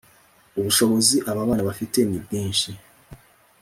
ubushobozi ababana bafite ni bwinshi